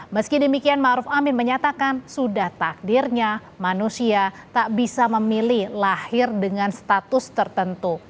meski demikian maruf amin menyatakan sudah takdirnya manusia tak bisa memilih lahir dengan status tertentu